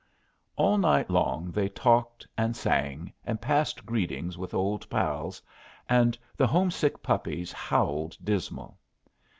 All night long they talked and sang, and passed greetings with old pals, and the homesick puppies howled dismal.